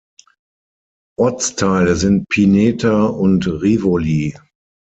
Ortsteile sind Pineta und Rivoli.